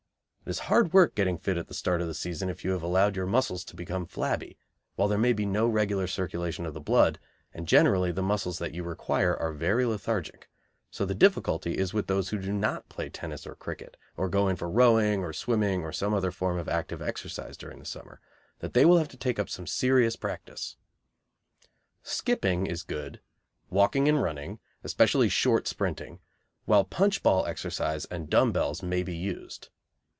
It is hard work getting fit at the start of the season if you have allowed your muscles to become flabby, while there may be no regular circulation of the blood, and generally the muscles that you require are very lethargic, so the difficulty is with those who do not play tennis or cricket, or go in for rowing or swimming or some other form of active exercise during the summer, that they will have to take up some serious practice. Skipping is good, walking and running, especially short sprinting, while punch ball exercise and dumb bells may be used.